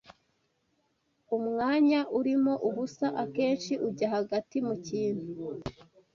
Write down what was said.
Umwanya urimo ubusa akenshi ujya hagati mu kintu,